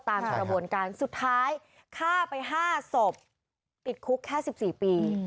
ตามกระบวนการสุดท้ายฆ่าไป๕ศพติดคุกแค่๑๔ปี